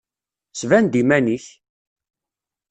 Sban-d iman-ik!